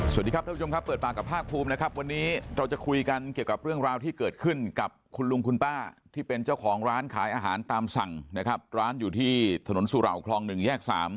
สวัสดีครับท่านผู้ชมครับเปิดปากกับภาคภูมินะครับวันนี้เราจะคุยกันเกี่ยวกับเรื่องราวที่เกิดขึ้นกับคุณลุงคุณป้าที่เป็นเจ้าของร้านขายอาหารตามสั่งนะครับร้านอยู่ที่ถนนสุเหล่าคลอง๑แยก๓